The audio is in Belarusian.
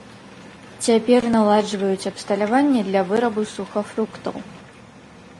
Цяпер наладжваюць абсталяванне для вырабу сухафруктаў.